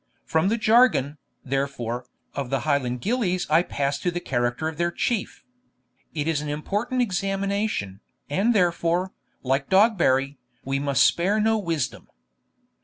From the jargon, therefore, of the Highland gillies I pass to the character of their Chief. It is an important examination, and therefore, like Dogberry, we must spare no wisdom.